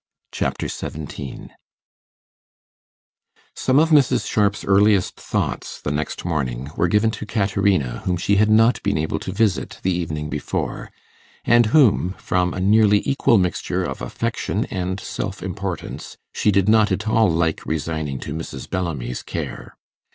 Chapter 17 Some of Mrs. Sharp's earliest thoughts, the next morning, were given to Caterina, whom she had not been able to visit the evening before, and whom, from a nearly equal mixture of affection and self importance, she did not at all like resigning to Mrs. Bellamy's care.